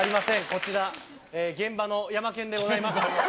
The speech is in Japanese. こちら現場のヤマケンでございます。